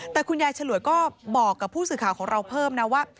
แต่คุณยายฉลวยก็บอกกับผู้สื่อข่าวของเราเพิ่มนะว่า